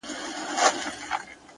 o چي څوك تا نه غواړي؛